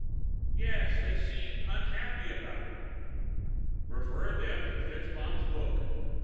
"Yes. They seemed unhappy about it." "Refer them to FitzMaugham's book.